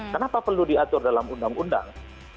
kenapa perlu diatur dalam undang undang